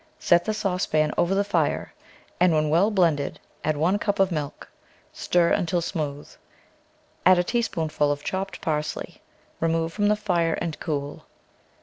Set the saucepan over the fire, and when well blended add one cup of milk; stir until smooth; add a teaspoonful of chopped parsley; remove from the fire and cool.